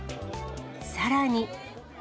さらに。